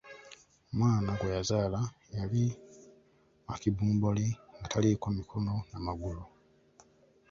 Omwana gwe yazaala yali wa kibumbuli nga taliiko mikono na magulu.